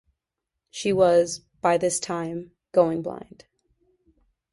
She was, by this time, going blind.